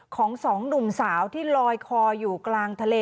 ของสองหนุ่มสาวที่ลอยคออยู่กลางทะเล